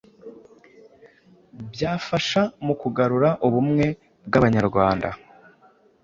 byafasha mu kugarura ubumwe bw'Abanyarwanda.